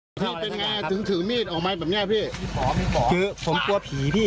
พี่เป็นไงถึงถือมีดออกมาแบบเนี้ยพี่อ๋อคือผมกลัวผีพี่